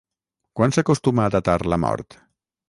Quan s'acostuma a datar la mort?